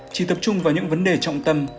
chỉ tập trung vào những vấn đề trọng tâm